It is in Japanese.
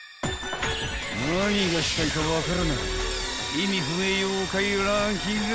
［何がしたいか分からない意味不明妖怪ランキング